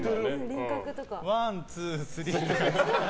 ワンツースリー。